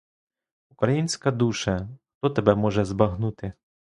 Українська душе, хто тебе може збагнути!